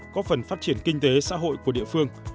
có phần phát triển kinh tế xã hội của địa phương